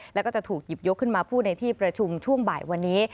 แล้วก็จะถูกหยิบยกขึ้นมาพูดในที่ประชุมช่วงบ่ายวันนี้